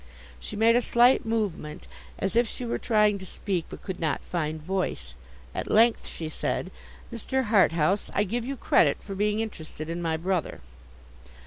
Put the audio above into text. She made a slight movement, as if she were trying to speak, but could not find voice; at length she said, 'Mr. Harthouse, I give you credit for being interested in my brother.